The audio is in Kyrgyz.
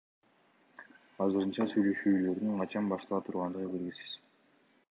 Азырынча сүйлөшүүлөрдүн качан баштала тургандыгы белгисиз.